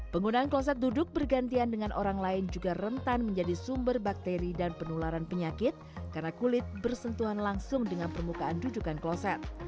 penggunaan kloset duduk bergantian dengan orang lain juga rentan menjadi sumber bakteri dan penularan penyakit karena kulit bersentuhan langsung dengan permukaan dudukan kloset